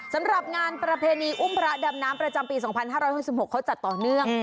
สำหรับงานประเพณีอุ้มพระดำน้ำประจำปี๒๕๖๖เขาจัดต่อเนื่อง